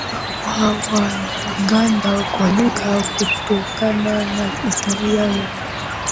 wa Waganda kwa lugha kutokana na historia ya